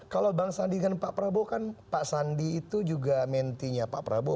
kalau bang sandi dengan pak prabowo kan pak sandi itu juga mentinya pak prabowo